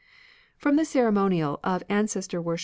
From the ceremonial of ancestor r es era